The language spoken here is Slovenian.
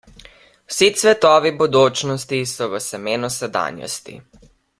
Vsi cvetovi bodočnosti so v semenu sedanjosti.